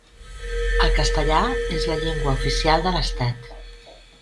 El castellà és la llengua oficial de l'Estat.